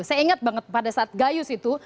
saya ingat banget pada saat gayus itu